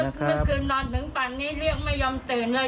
เมื่อคืนนอนถึงปันนี้เรียกไม่ยอมตื่นเลย